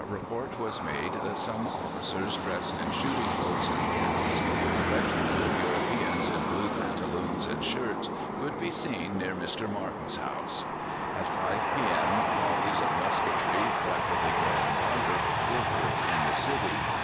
report was made that some officers dressed in shooting coats and caps, a regiment of Europeans in blue pantaloons and shirts, could be seen near Mr. Martin's house. At 5 p.m. volleys of musketry, rapidly growing louder, were heard in the city.